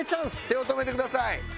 手を止めてください。